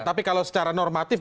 tapi kalau secara negatif